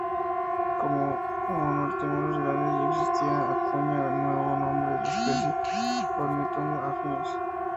Como "Ornithomimus grandis" ya existía, acuñó un nuevo nombre de la especie "Ornithomimus affinis".